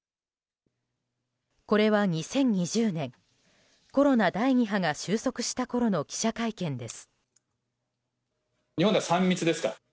これは２０２０年コロナ第２波が収束したころの記者会見です。